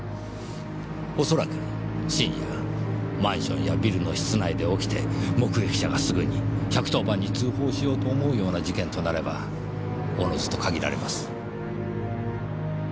おそらく深夜マンションやビルの室内で起きて目撃者がすぐに１１０番に通報しようと思うような事件となればおのずと限られます。